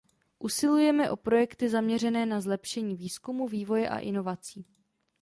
Usilujeme o projekty zaměřené na zlepšení výzkumu, vývoje a inovací.